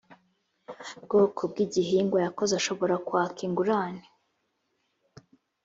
bwoko bw igihingwa yakoze ashobora kwaka ingurane